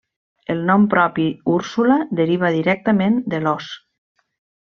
El nom propi Úrsula deriva directament de l'ós.